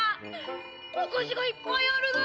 おかしがいっぱいあるだ！